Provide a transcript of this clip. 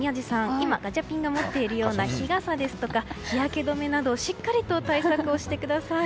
今ガチャピンが持っているような日傘ですとか、日焼け止めなどしっかりと対策をしてください。